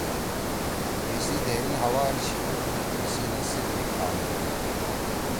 یِسی دھیرِین ہوار چھی۔ یِسی نسیِب می کھان ہُو۔